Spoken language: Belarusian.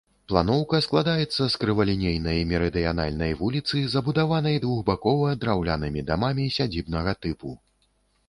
Планоўка складаецца з крывалінейнай мерыдыянальнай вуліцы, забудаванай двухбакова драўлянымі дамамі сядзібнага тыпу.